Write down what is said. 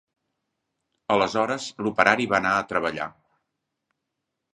Aleshores, l'operari va anar a treballar.